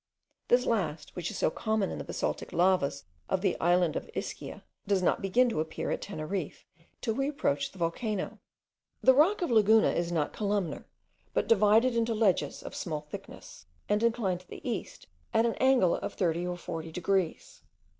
This last, which is so common in the basaltic lavas of the island of Ischia, does not begin to appear at Teneriffe, till we approach the volcano. The rock of Laguna is not columnar, but is divided into ledges, of small thickness, and inclined to the east at an angle of 30 or 40 degrees.